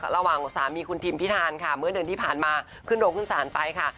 ระหว่างสามีคุณทิมพิธานค่ะเมื่อเดือนที่ผ่านมาขึ้นโรงขึ้นศาลไปค่ะ